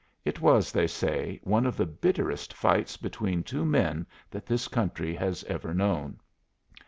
It was, they say, one of the bitterest fights between two men that this country has ever known.